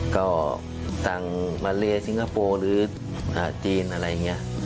ก็ต่างมาเลสิงคโปร์หรือจีนอะไรอย่างนี้